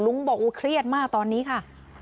ลุงบอกโอ้เครียดมากตอนนี้ค่ะ